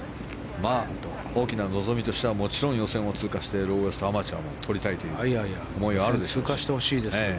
大きな望みとしてはもちろん、予選を通過してローエストアマチュアもとりたいという思いはあるでしょうから。